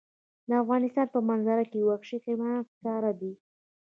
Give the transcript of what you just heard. د افغانستان په منظره کې وحشي حیوانات ښکاره ده.